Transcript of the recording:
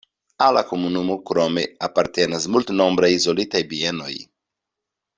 Al la komunumo krome apartenas multnombraj izolitaj bienoj.